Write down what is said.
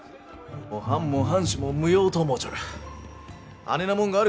もう藩も藩主も無用と思うちょる。